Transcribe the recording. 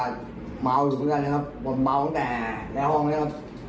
ก็เมาอยู่เหมือนกันนะครับผมเมาตั้งแต่ในห้องเลยครับ